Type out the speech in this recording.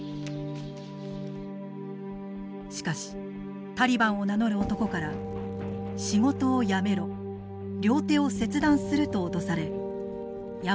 しかしタリバンを名乗る男から「仕事をやめろ」「両手を切断する」と脅されやむなく会社を閉鎖。